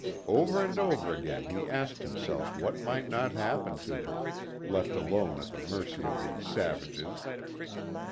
Over and over again he asked himself what might not happen to her, left alone at the mercy of these savages?